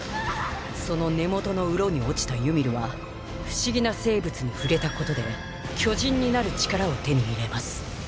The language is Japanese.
その根元の洞に落ちたユミルは不思議な生物に触れたことで巨人になる力を手に入れます。